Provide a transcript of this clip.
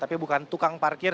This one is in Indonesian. tapi bukan tukang parkir